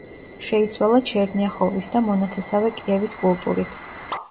შეიცვალა ჩერნიახოვის და მონათესავე კიევის კულტურით.